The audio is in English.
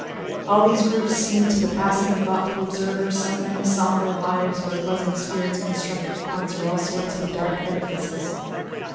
All these groups seem to the passing and thoughtful observer so many sombre hives where buzzing spirits construct in concert all sorts of dark edifices.